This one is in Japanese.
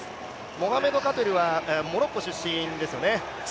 モハメド・カティルはモロッコ出身ですよね。